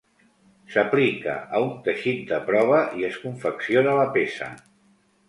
S'aplica a un teixit de prova i es confecciona la peça.